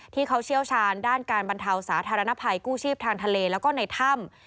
เชี่ยวชาญด้านการบรรเทาสาธารณภัยกู้ชีพทางทะเลแล้วก็ในถ้ำ